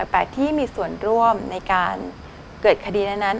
แต่ที่มีส่วนร่วมในการเกิดคดีนั้น